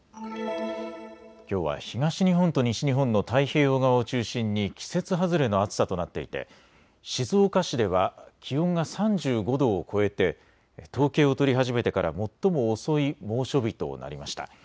きょうは東日本と西日本の太平洋側を中心に季節外れの暑さとなっていて、静岡市では気温が３５度を超えて統計を取り始めてから最も遅い猛暑日となりました。